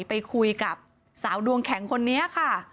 ไปคุยกับสาวดวงแข็งคนนี้ค่ะ